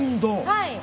はい。